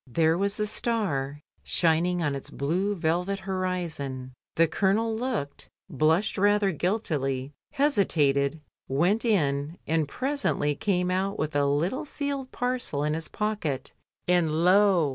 There was the star shining on its blue velvet horizon, the Colonel looked, blushed rather guiltily, hesitated, went in, and presently came out with a little sealed parcel in his pocket, and lo!